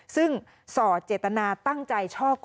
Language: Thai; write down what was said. ซึ่งส่อเจตนาตั้งใจช่อโกงค่ะ